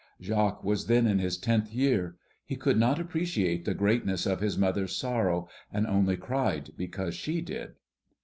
Jacques was then in his tenth year. He could not appreciate the greatness of his mother's sorrow, and only cried because she did.